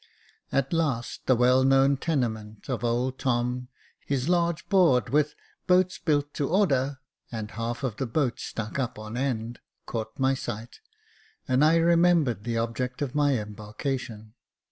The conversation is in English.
At last the well known tenement of old Tom, his large board with *' Boats built to order," and the half of the boat stuck up on end, caught my sight, and I remembered the object of my embarkation.